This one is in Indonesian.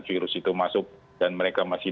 virus itu masuk dan mereka masih